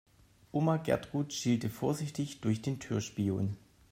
Oma Gertrud schielte vorsichtig durch den Türspion.